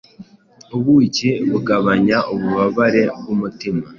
ubuki bugabanya ububabare bw’umutima